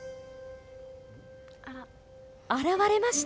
現れました！